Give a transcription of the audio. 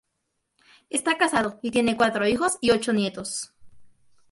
Está casado, y tiene cuatro hijos y ocho nietos.